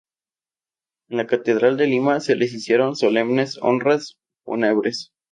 En la Catedral de Lima se le hicieron solemnes honras fúnebres.